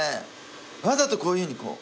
わざとこういうふうにこう。